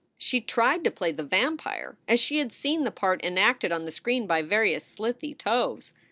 She tried to play the vampire as she had seen the part enacted on the screen by various slithy toves.